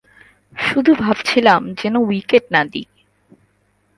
শুধু ভাবছিলাম, যেন উইকেট না দিই।